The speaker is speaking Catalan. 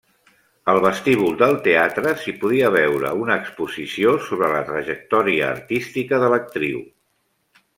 Al vestíbul del teatre s'hi podia veure una exposició sobre la trajectòria artística de l'actriu.